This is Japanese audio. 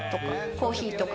コーヒーとか。